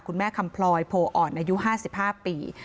คุณแม่คำพลอยโพออ่อนอายุ๕๕ปี